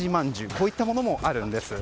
こういったものもあるんです。